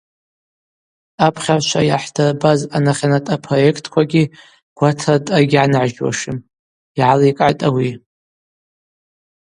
Апхьагӏвчва йгӏахӏдырбаз анахьанат апроектквагьи гватрадъа йгьгӏаныгӏжьуашым, – йгӏаликӏгӏатӏ ауи.